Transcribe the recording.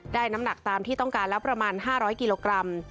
น้ำหนักตามที่ต้องการแล้วประมาณ๕๐๐กิโลกรัม